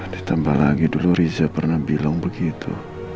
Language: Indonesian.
ditambah lagi dulu riza pernah bilang begitu